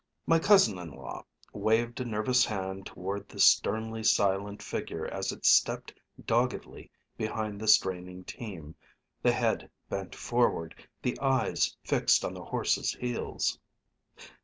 My cousin in law waved a nervous hand toward the sternly silent figure as it stepped doggedly behind the straining team, the head bent forward, the eyes fixed on the horses' heels.